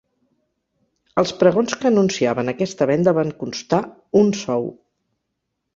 Els pregons que anunciaven aquesta venda van constar un sou.